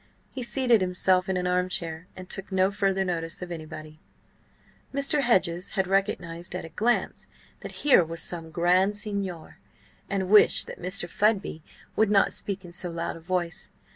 He seated himself in an armchair and took no further notice of anybody. Mr. Hedges had recognised at a glance that here was some grand seigneur and wished that Mr. Fudby would not speak in so loud a voice.